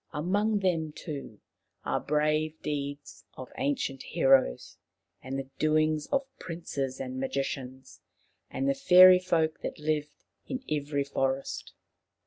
Among them too are brave deeds of ancient heroes, and the doings of princes and magicians and the fairy folk that lived in every forest.